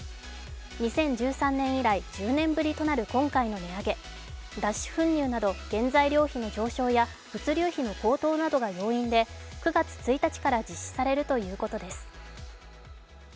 ２０１３年以来、１０年ぶりとなる今回の値上げ、脱脂粉乳など、原材料の上昇や、物流費の高騰などが要因で、９月１日から実施されるということです。